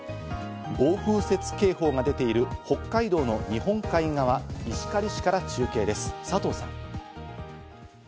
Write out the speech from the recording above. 暴風雪警報が出ている北海道の日本海側、石狩市から中継です、佐藤さん。